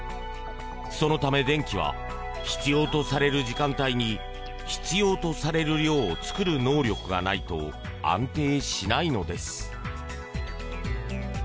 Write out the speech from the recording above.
そのため電気は必要とされる時間帯に必要とされる量を作る能力がないと安定しないのです。